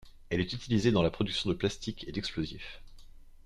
Elle est utilisée dans la production de plastiques et d'explosifs.